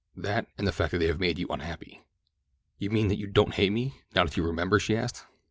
That, and the fact that they have made you unhappy.'' "You mean that you don't hate me, now that you remember?" she asked.